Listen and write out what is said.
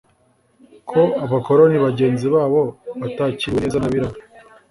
ko abakoloni bagenzi babo batakiriwe neza n'abirabura.